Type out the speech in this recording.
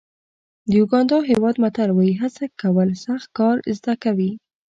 د یوګانډا هېواد متل وایي هڅه کول سخت کار زده کوي.